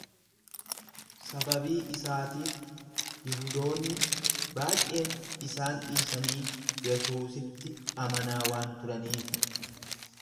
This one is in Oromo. Sababii isaatiif Yihudoonni baay’een isaan dhiisanii Yesuusitti amanaa waan turaniifi.